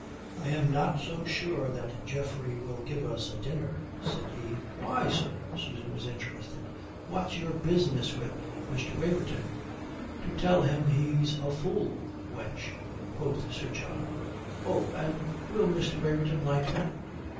"I am not so sure that Geoffrey will give us a dinner," said he. "Why, sir," Susan was interested, "what's your business with Mr. Waverton?" "To tell him he's a fool, wench," quoth Sir John. "Oh. And will Mr. Waverton like that?"